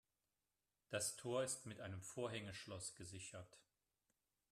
Das Tor ist mit einem Vorhängeschloss gesichert.